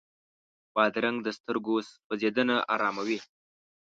بادرنګ د سترګو سوځېدنه اراموي.